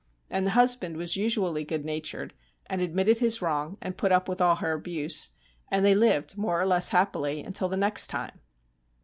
And the husband was usually good natured, and admitted his wrong, and put up with all her abuse, and they lived more or less happily till the next time.